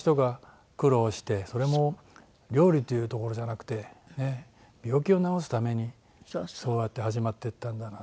それも料理というところじゃなくて病気を治すためにそうやって始まっていったんだなって。